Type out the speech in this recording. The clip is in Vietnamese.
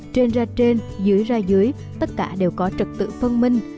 trên ra trên dưới ra dưới tất cả đều có trật tự phân minh